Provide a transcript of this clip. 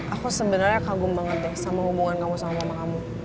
aku sebenarnya kagum banget deh sama hubungan kamu sama kamu